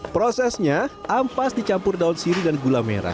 prosesnya ampas dicampur daun siri dan gula merah